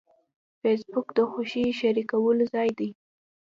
فېسبوک د خوښیو شریکولو ځای دی